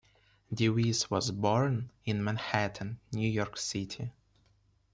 Dewese was born in Manhattan, New York City.